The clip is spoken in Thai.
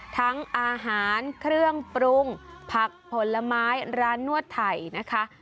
ทั้งอาหารเครื่องปรุงผักผลไม้ร้านนวดไถ่นะคะ